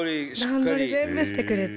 段取り全部してくれて。